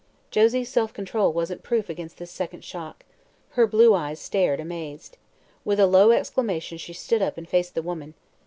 Josie's self control wasn't proof against this second shock. Her blue eyes stared amazed. With a low exclamation she stood up and faced the woman.